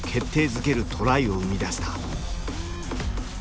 づけるトライを生み出した。